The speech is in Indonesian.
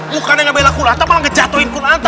bukan yang ngebelah kunanta malah ngejatohin kunanta